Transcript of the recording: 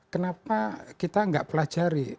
kenapa kita nggak pelajari